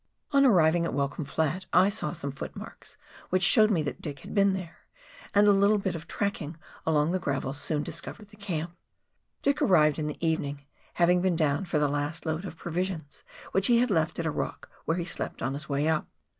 On arriving at Welcome Flat, I saw some footmarks, which showed me that Dick had been there, and a little bit of track ing along the gravel soon discovered the camp. Dick arrived in the evening, having been down for the last load of provi sions which he had left at a rock where he slept on his way up.